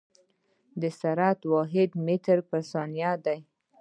د سرعت واحد متر پر ثانيه ده.